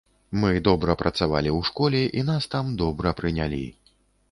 Мы добра працавалі ў школе, і нас там добра прынялі.